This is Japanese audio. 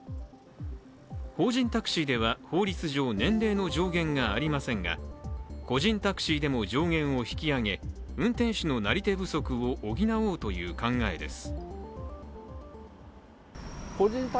法人タクシーでは法律上年齢の上限がありませんが個人タクシーでも上限を引き上げ運転手のなり手不足を補おうという考えです。